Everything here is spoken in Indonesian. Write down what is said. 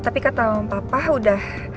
tapi kata papa udah